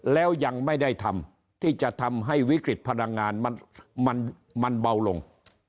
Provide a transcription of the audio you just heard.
แล้วยังไม่ได้ทำที่จะทำให้วิกฤตพลังงานมันเบาลง